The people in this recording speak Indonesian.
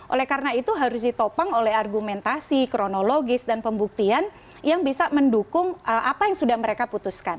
oleh karena itu harus ditopang oleh argumentasi kronologis dan pembuktian yang bisa mendukung apa yang sudah mereka putuskan